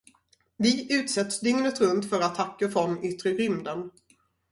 Vi utsätts dygnet runt för attacker från yttre rymden.